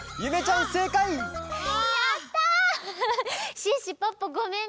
シュッシュポッポごめんね。